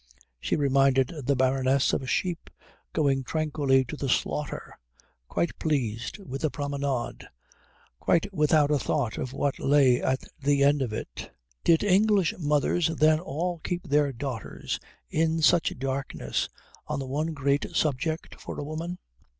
She reminded the Baroness of a sheep going tranquilly to the slaughter, quite pleased with the promenade, quite without a thought of what lay at the end of it. Did English mothers then all keep their daughters in such darkness on the one great subject for a woman?